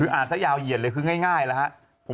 คืออ่านซะยาวเหยียดเลยคือง่ายแล้วครับ